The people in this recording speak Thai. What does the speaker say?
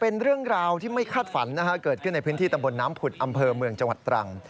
เป็นเรื่องราวที่ไม่คาดฝันนะฮะเกิดขึ้นในพื้นที่ตำบลน้ำผุดอำเภอเมืองจังหวัดตรัง